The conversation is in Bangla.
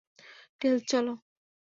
টেলস, চলো।